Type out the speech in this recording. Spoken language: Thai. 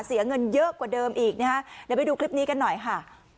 เสียเงินเยอะกว่าเดิมอีกนะคะเดี๋ยวไปดูคลิปนี้กันหน่อยค่ะ